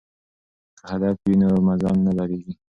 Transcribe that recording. که هدف وي نو مزل نه دریږي.